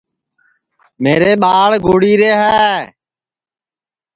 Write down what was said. میرے ٻاݪ گُڑی رے ہے